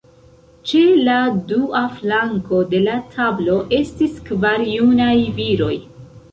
Ĉe la dua flanko de la tablo estis kvar junaj viroj.